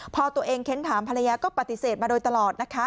พอตัวเองเค้นถามภรรยาก็ปฏิเสธมาโดยตลอดนะคะ